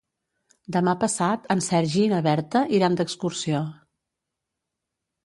Demà passat en Sergi i na Berta iran d'excursió.